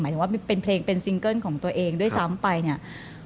ถึงว่าเป็นเพลงเป็นซิงเกิ้ลของตัวเองด้วยซ้ำไปเนี่ย